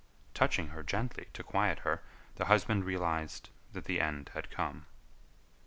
Touching her gently to quiet her, the husband realised that the end had come.